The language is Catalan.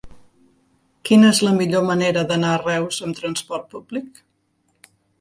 Quina és la millor manera d'anar a Reus amb trasport públic?